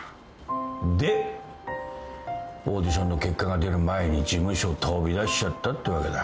でオーディションの結果が出る前に事務所を飛び出しちゃったってわけだ。